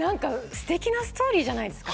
すてきなストーリーじゃないですか。